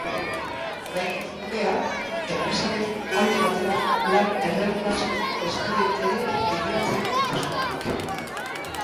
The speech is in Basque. Oraingoz, ordea, enpresak ez du aldi baterako lan-erregulazioko espedienterik bideratzeko asmorik.